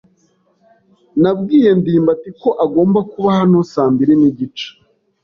Nabwiye ndimbati ko agomba kuba hano saa mbiri nigice.